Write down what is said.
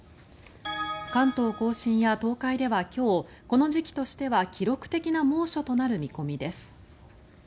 関東・甲信や東海では今日この時期としては記録的な猛暑となる見込みです。